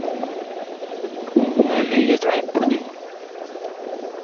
هل هي تحبني ؟